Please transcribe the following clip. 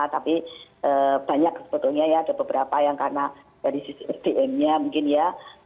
tapi banyak sebetulnya ya ada beberapa yang karena dari sisi sdm nya mungkin ya